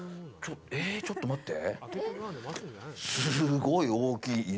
ちょっと待って。